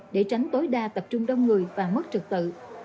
để tránh tối đa tập trung đông người và mất trực tự